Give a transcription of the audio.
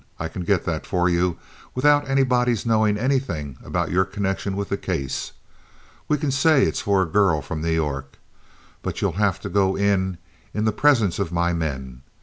I can get that for you without anybody's knowing anything about your connection with the case. We can say it's for a girl from New York. But you'll have to go in in the presence of my men.